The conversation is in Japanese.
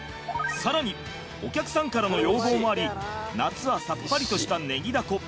更にお客さんからの要望もあり夏はさっぱりとしたねぎだこ